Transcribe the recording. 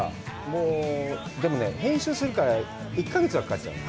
もうでも、編集するから１か月はかかっちゃう。